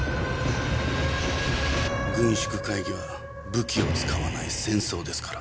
軍縮会議は武器を使わない戦争ですから。